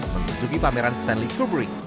menunjuki pameran stanley kubrick